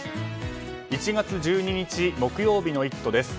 １月１２日木曜日の「イット！」です。